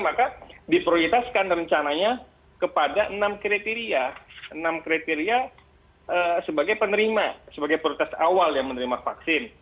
maka diprioritaskan rencananya kepada enam kriteria enam kriteria sebagai penerima sebagai prioritas awal yang menerima vaksin